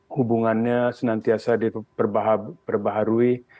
hubungannya senantiasa diperbaharui